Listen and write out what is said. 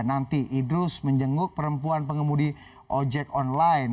nanti idrus menjenguk perempuan pengemudi ojek online